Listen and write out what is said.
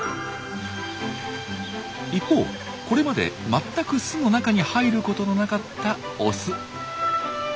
一方これまで全く巣の中に入ることのなかったオス。